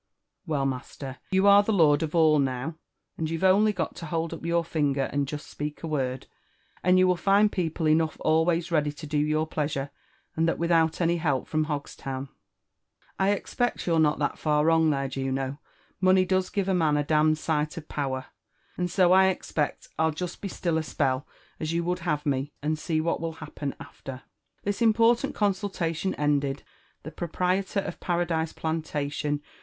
" Well, master, you are the lord of all now, and you've only got to hold up your finger and jest speak a word, and you will find people JONATHAN JEFFERSON WHITLAW. . 317 enough always. ready to do your pleasare, and that without any help from Uogstown." .'* I expect you're not that far wrong there, Juno ; money does give a man a d Ji sight of power, — and so I expect Fll jest he still a spell, as you would have ra^, and see what will happen after." This important consultation ended, the proprietor of Paradise Plan tatioq.